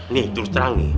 nih terus terang nih